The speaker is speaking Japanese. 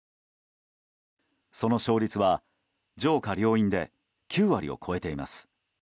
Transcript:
その勝率は上下両院で９割を超えています。